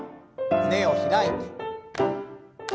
胸を開いて。